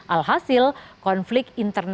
alhasil konflik ini tidak terjadi